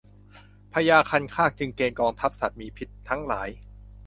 พญาคันคากจึงเกณฑ์กองทัพสัตว์มีพิษทั้งหลาย